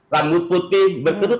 rambut putih berterut